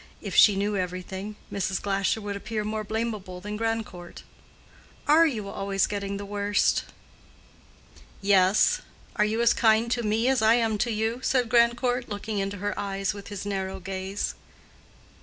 If she knew everything, Mrs. Glasher would appear more blamable than Grandcourt. "Are you always getting the worst?" "Yes. Are you as kind to me as I am to you?" said Grandcourt, looking into her eyes with his narrow gaze.